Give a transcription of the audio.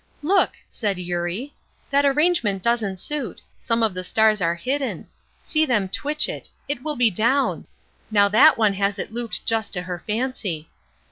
"Look!" said Eurie, "that arrangement doesn't suit; some of the stars are hidden; see them twitch it; it will be down! Now that one has it looped just to her fancy.